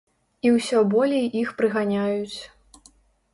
І ўсё болей іх прыганяюць.